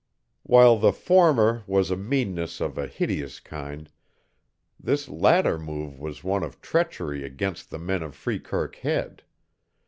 While the former was meanness of a hideous kind, this latter move was one of treachery against the men of Freekirk Head.